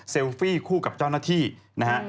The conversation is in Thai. ฟี่คู่กับเจ้าหน้าที่นะฮะ